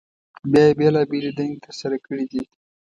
بیا یې بېلابېلې دندې تر سره کړي دي.